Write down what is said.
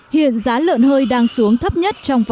hiện giá lợn hơi đang xuống thấp nhất trong tuần